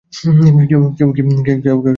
কেউ শুনতে পাচ্ছো?